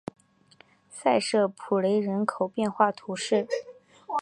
塞舍普雷人口变化图示